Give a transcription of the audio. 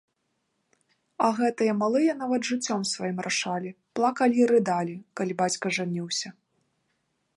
А гэтыя малыя нават жыццём сваім рашалі, плакалі і рыдалі, калі бацька жаніўся.